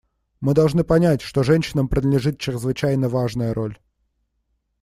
Мы должны понять, что женщинам принадлежит чрезвычайно важная роль.